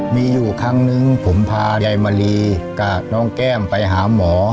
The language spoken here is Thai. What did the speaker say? มีอยู่ครั้งนึงผมพายายมะลีกับน้องแก้มไปหาหมอ